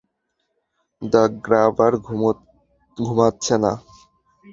The grabber ঘুমাচ্ছে না।